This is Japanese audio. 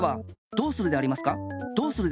どうするでありますか？